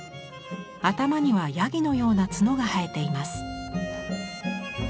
頭にはヤギのような角が生えています。